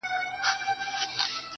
نه مي ښېرا پکي قبلیږي نه دعا ملگرو,